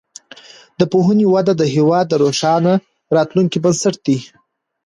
د پوهنې وده د هیواد د روښانه راتلونکي بنسټ دی.